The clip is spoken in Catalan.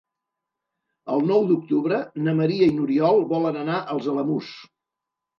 El nou d'octubre na Maria i n'Oriol volen anar als Alamús.